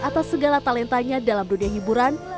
atas segala talentanya dalam dunia hiburan